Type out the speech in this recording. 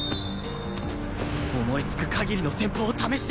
思いつく限りの戦法を試してやる！